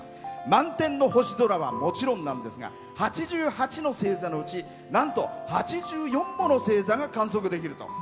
満天の星空はもちろんなんですが８８の星座のうちなんと８４もの星座が観測できると。